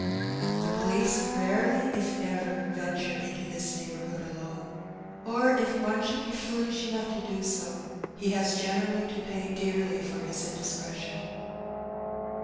The poUce rarely, if ever, venture into this neighbourhood alone, or if one should be fooUsh enough to do so, he has generally to pay dearly for his indiscretion.